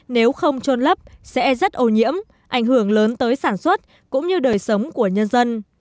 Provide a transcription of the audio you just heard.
nếu không trôn lấp sẽ rất ô nhiễm ảnh hưởng lớn tới sản xuất cũng như đời sống của nhân dân